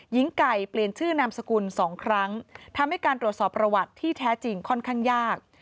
หญิงไก่เปลี่ยนชื่อนามสกุล๒ครั้งทำให้การตรวจสอบประวัติที่แท้จริงค่อนข้างยาก